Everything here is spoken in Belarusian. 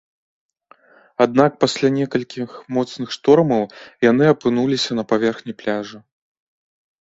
Аднак пасля некалькіх моцных штормаў яны апынуліся на паверхні пляжа.